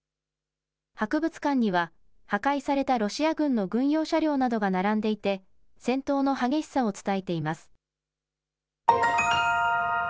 博物館には破壊されたロシア軍の軍用車両などが並んでいて、戦闘の激しさを伝えています。